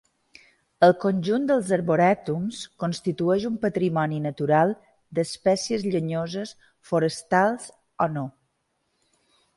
El conjunt dels arborètums constitueix un patrimoni natural d'espècies llenyoses forestals o no.